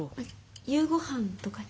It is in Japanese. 夕ごはんとかに。